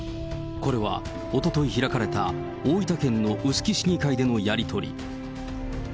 これはおととい開かれた、大分県の臼杵市議会でのやり取り。